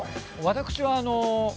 私はあの。